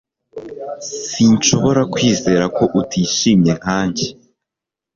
Sinshobora kwizera ko utishimye nkanjye